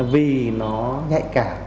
vì nó nhạy cả